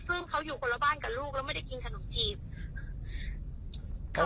ซึ่งเขาอยู่คนละบ้านกับลูกแล้วไม่ได้กินขนมจีบ